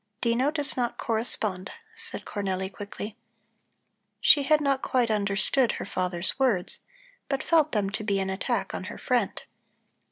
"Dino does not correspond," said Cornelli quickly. She had not quite understood her father's words, but felt them to be an attack on her friend.